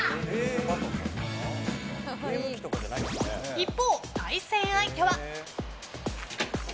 一方、対戦相手は。